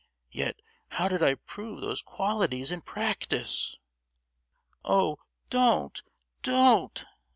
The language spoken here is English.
Yet, how did I prove these qualities in practice?" "Oh, don't! don't!"